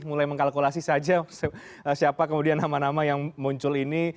mulai mengkalkulasi saja siapa kemudian nama nama yang muncul ini